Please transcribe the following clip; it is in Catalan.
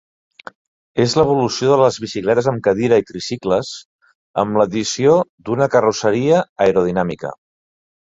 És l'evolució de les bicicletes amb cadira i tricicles, amb l'addició d'una carrosseria aerodinàmica.